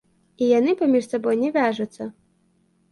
І яны паміж сабой не вяжуцца.